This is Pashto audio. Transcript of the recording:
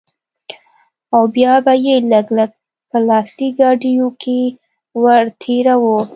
او بيا به يې لږ لږ په لاسي ګاډيو کښې ورتېراوه.